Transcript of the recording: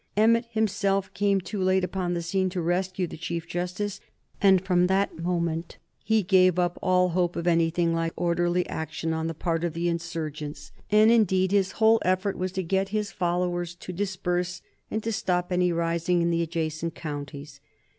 Emmet himself came too late upon the scene to rescue the Chief Justice, and from that moment he gave up all hope of anything like orderly action on the part of the insurgents, and indeed his whole effort was to get his followers to disperse and to stop any rising in the adjacent counties.